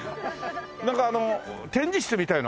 なんかあの展示室みたいなのあるの？